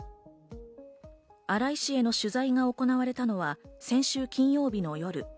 荒井氏への取材が行われたのは先週金曜日の夜。